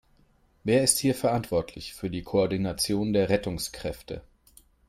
Wer ist hier verantwortlich für die Koordination der Rettungskräfte?